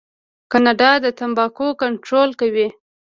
کاناډا د تمباکو کنټرول کوي.